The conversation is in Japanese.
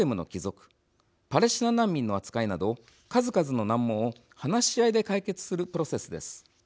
パレスチナ難民の扱いなど数々の難問を話し合いで解決するプロセスです。